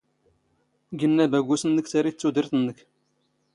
ⴳ ⵏⵏ ⴰⴱⴰⴳⵓⵙ ⵏⵏⴽ ⵜⴰⵔⵉⵜ ⵜⵓⴷⵔⵜ ⵏⵏⴽ.